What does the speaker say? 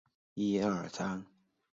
一说王叔桓公即是王孙苏。